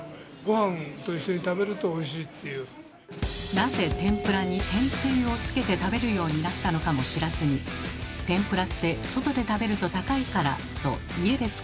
なぜ天ぷらに天つゆをつけて食べるようになったのかも知らずに「天ぷらって外で食べると高いから」と家で作り始めたものの。